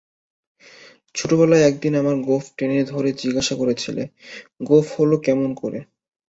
ছেলেবেলায় একদিন আমার গোঁফ টেনে ধরে জিজ্ঞাসা করেছিলে, গোঁফ হল কেমন করে?